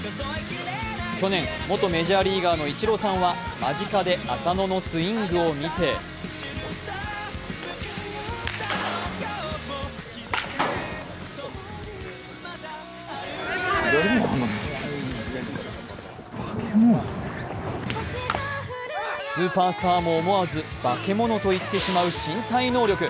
去年、元メジャーリーガーのイチローさんは間近で浅野のスイングを見てスーパースターもバケモノと言ってしまう身体能力。